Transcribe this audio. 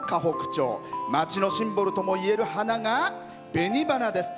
町のシンボルともいえる花が紅花です。